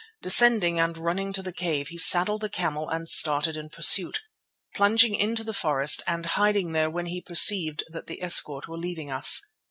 Descending and running to the cave, he saddled the camel and started in pursuit, plunging into the forest and hiding there when he perceived that the escort were leaving us.